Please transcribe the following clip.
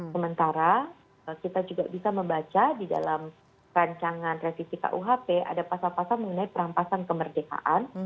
sementara kita juga bisa membaca di dalam rancangan revisi kuhp ada pasal pasal mengenai perampasan kemerdekaan